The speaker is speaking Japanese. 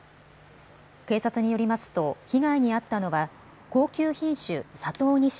警察によりますと被害に遭ったのは高級品種、佐藤錦